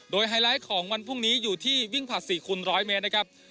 โดยไฮไลท์ของวันพรุ่งนี้อยู่ที่วิ่งผลัด๔คูณ๑๐๐เมตรนะครับ